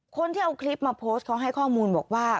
คนที่เอาคลิปมาโพสต์เขาให้ข้อมูลบอกว่า